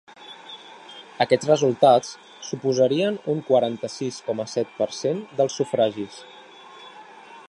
Aquests resultats suposarien un quaranta-sis coma set per cent dels sufragis.